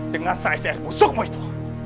dengan se sr pusukmu itu